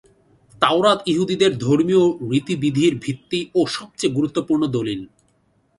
তাওরাত ইহুদীদের ধর্মীয় রীতি-বিধির ভিত্তি ও সবচেয়ে গুরুত্বপূর্ণ দলিল।